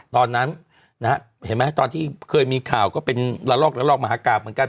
ตอนนั้นนะฮะเห็นไหมตอนที่เคยมีข่าวก็เป็นระลอกระลอกมหากราบเหมือนกัน